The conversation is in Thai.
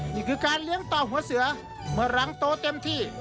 นี่คือการเลี้ยงต่อหัวเสือเมื่อหลังโตเต็มที่